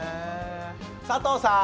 佐藤さん。